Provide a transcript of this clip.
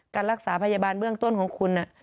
การรักษาพยาบาลเบื้องต้นของคุณ